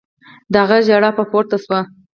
د هغه ژړا به پورته سوه.